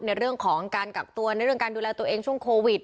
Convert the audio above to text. ในเรื่องของการกักตัวในเรื่องการดูแลตัวเองช่วงโควิด